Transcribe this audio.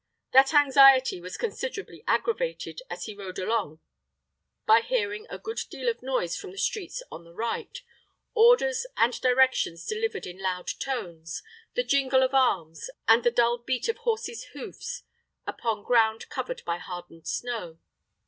That anxiety was considerably aggravated, as he rode along, by hearing a good deal of noise from the streets on the right, orders and directions delivered in loud tones, the jingle of arms, and the dull beat of horses' hoofs upon ground covered by hardened snow.